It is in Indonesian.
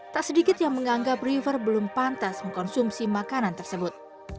tak sedikit yang menganggap river belum pantas mengkonsumsi makanan tersebut